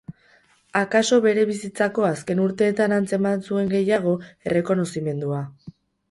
Akaso bere bizitzako azken urteetan antzeman zuen, gehiago, errekonozimendua.